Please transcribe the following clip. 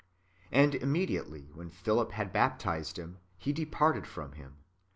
And immediately when [Philip] had baptized him, he departed from him.